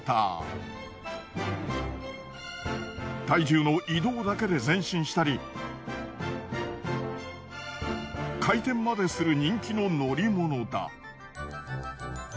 体重の移動だけで前進したり回転までする人気の乗り物だ。